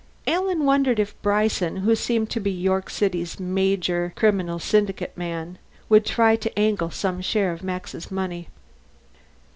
Alan wondered if Bryson, who seemed to be York City's major criminal syndic man, would try to angle some share of Max's money.